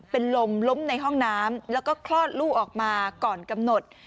เป็นลมล้มในห้องน้ำแล้วก็คลอดลูกออกมาก่อนกำหนด